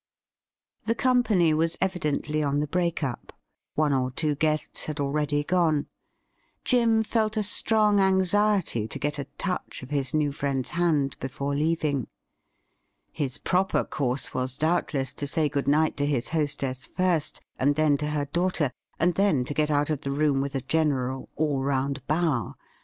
The company was evidently on the break up. One or two guests had already gone. Jim felt a strong anxiety to get a touch of his new friend's hand before leaving. His proper course was doubtless to say good night to his hostess first, and then to her daughter, and then to get out of the room with a general, all round bow.